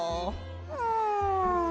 うん。